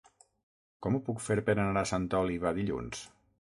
Com ho puc fer per anar a Santa Oliva dilluns?